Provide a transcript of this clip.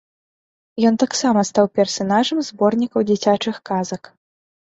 Ён таксама стаў персанажам зборнікаў дзіцячых казак.